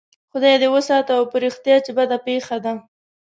خدای دې وساته او په رښتیا چې بده پېښه ده.